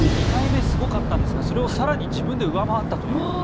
２回目、すごかったんですがそれを更に自分で上回ったという。